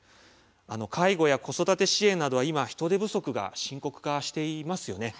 介護や子育て支援など今、人手不足が深刻化していますよね。